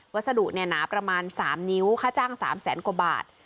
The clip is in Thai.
วัสดุเนี่ยหนาประมาณ๓นิ้วค่าจ้าง๓แสนกว่าบาท